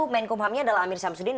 menkumhamnya adalah amir syamsuddin